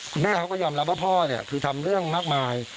คุณแม่เขาก็ยอมรับว่าพ่อเนี่ยคือทำเรื่องมากมาย